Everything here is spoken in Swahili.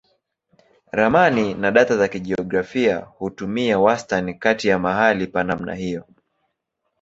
Ramani na data za kijiografia hutumia wastani kati ya mahali pa namna hiyo.